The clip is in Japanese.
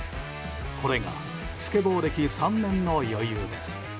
これがスケボー歴３年の余裕です。